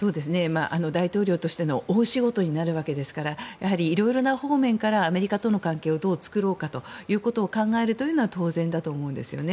大統領としての大仕事になるわけですから色々な方面からアメリカとの関係をどう作ろうかというのを考えるのは当然だと思うんですよね。